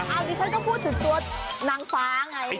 อันนี้ฉันก็พูดถึงตัวนางฟ้าไง